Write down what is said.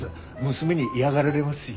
娘に嫌がられますし。